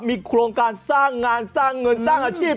มีโครงการสร้างงานสร้างเงินสร้างอาชีพ